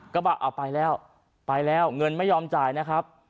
ก็ว่าเอาไปแล้วไปแล้วเงินไม่ยอมจ่ายนะครับ